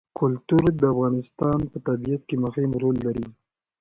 کلتور د افغانستان په طبیعت کې مهم رول لري.